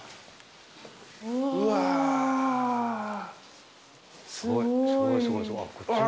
うわすごい。